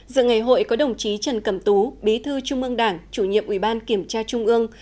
dự ngày hội có đồng chí trần cẩm tú bí thư trung ương đảng chủ nhiệm ủy ban kiểm tra trung ương